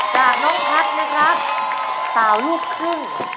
จากน้องพัฒน์นะครับสาวลูกครึ่ง